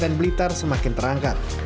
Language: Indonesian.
kabupaten blitar semakin terangkat